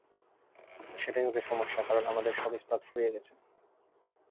আর সেটাই হচ্ছে সমস্যা, কারণ আমাদের সব ইস্পাত ফুরিয়ে গেছে।